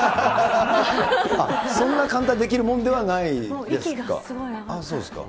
そんな簡単にできるもんではないですか。